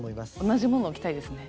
同じ物を着たいですね。